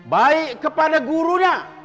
baik kepada gurunya